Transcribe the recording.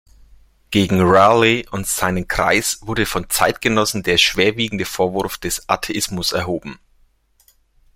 Gegen Raleigh und seinen Kreis wurde von Zeitgenossen der schwerwiegende Vorwurf des Atheismus erhoben.